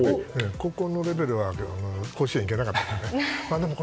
高校のレベルでは甲子園に行けなかったけどね。